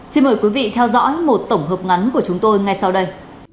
xin mời quý vị theo dõi một tổng hợp ngắn của chúng tôi ngay sau đây